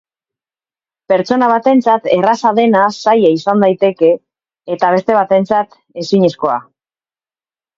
Pertsona batentzat erraza dena zaila izan daiteke, eta beste batentzat, ezinezkoa.